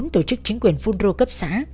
một mươi bốn tổ chức chính quyền phun rô cấp xã